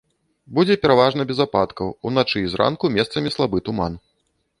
Будзе пераважна без ападкаў, уначы і зранку месцамі слабы туман.